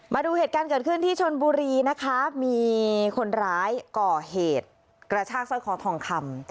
มาดูเหตุการณ์เกิดขึ้นที่ชนบุรีนะคะมีคนร้ายก่อเหตุกระชากสร้อยคอทองคำ